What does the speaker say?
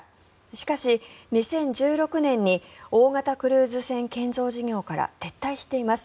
しかし、２０１６年に大型クルーズ船建造事業から撤退しています。